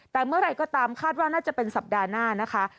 แต่เมื่อไหร่ก็ตามคาดว่าน่าจะเป็นสัปดาห์หน้านะคะ